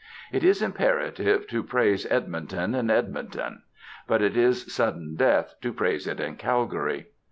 It is imperative to praise Edmonton in Edmonton. But it is sudden death to praise it in Calgary.